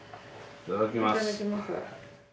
「いただきます」は？